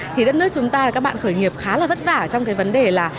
thì đất nước chúng ta là các bạn khởi nghiệp khá là vất vả trong cái vấn đề là